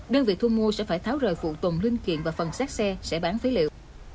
đơn vị thu mua sẽ phải tháo rời phụ tùng linh kiện và phần xác xe sẽ bán phế liệu